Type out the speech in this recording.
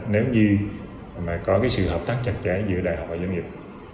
nếu như có sự hợp tác chặt chẽ giữa đại học và doanh nghiệp